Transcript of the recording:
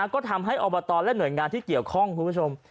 ก็ทำให้อบตและหน่วยงานที่เกี่ยวข้องคุณผู้ชม